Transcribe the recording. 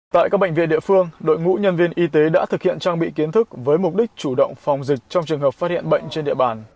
tại các bệnh viện địa phương đội ngũ nhân viên y tế đã thực hiện trang bị kiến thức với mục đích chủ động phòng dịch trong trường hợp phát hiện bệnh trên địa bàn